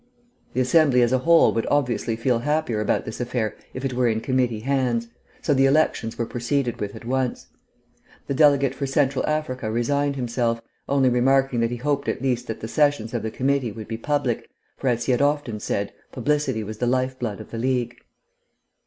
The Assembly as a whole would obviously feel happier about this affair if it were in committee hands, so the elections were proceeded with at once. The delegate for Central Africa resigned himself, only remarking that he hoped at least that the sessions of the committee would be public, for as he had often said, publicity was the life blood of the League.